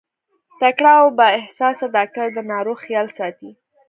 تکړه او با احساسه ډاکټر د ناروغ خيال ساتي.